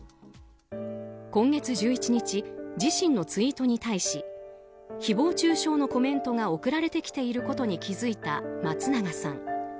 今月１１日自身のツイートに対し誹謗中傷のコメントが送られてきていることに気付いた松永さん。